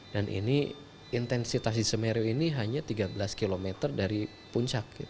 dan ini intensitas di semeru ini hanya tiga belas kilometer dari puncak